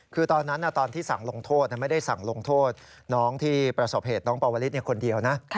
คือตอนนั้นตอนที่สั่งลงโทษไม่ได้สั่งลงโทษน้องที่ประสบเหตุน้องปวลิศคนเดียวนะ